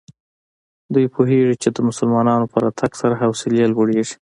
دوی پوهېږي چې د مسلمانانو په راتګ سره حوصلې لوړېږي.